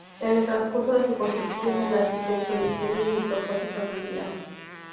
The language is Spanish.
En el transcurso de su construcción, el arquitecto, el diseño y el propósito cambiaron.